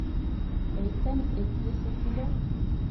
-Әйтәм, эт еҫе килә.